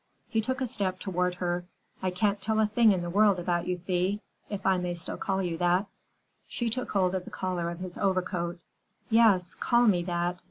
He took a step toward her. "I can't tell a thing in the world about you, Thea—if I may still call you that." She took hold of the collar of his overcoat. "Yes, call me that.